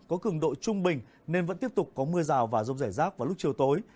có cường độ trung bình nên vẫn tiếp tục có mưa rào và rông rải rác vào lúc chiều tối